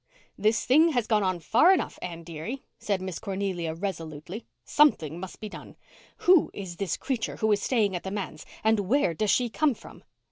"This thing has gone far enough, Anne dearie," said Miss Cornelia resolutely. "Something must be done. Who is this creature who is staying at the manse and where does she come from?"